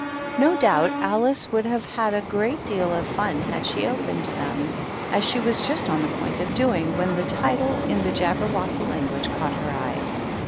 No doubt Alice would have had a great deal of fiin had she opened them, as she was just on the point of doing, when a title in the Jabber wocky language caught her eyes.